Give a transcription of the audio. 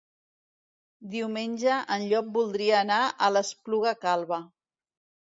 Diumenge en Llop voldria anar a l'Espluga Calba.